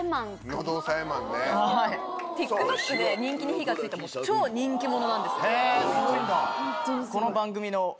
ＴｉｋＴｏｋで人気に火が付いた超人気者なんですよ。